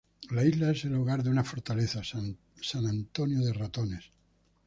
La isla es el hogar de una fortaleza, Santo Antônio de Ratones.